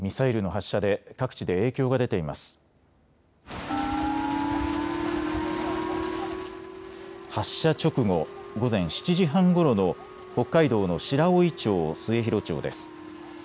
発射直後、午前７時半ごろの北海道の白老町末広町です。